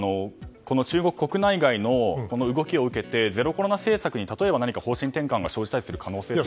中国国内外の動きを受けてゼロコロナ政策に方針転換が生じたりする可能性は？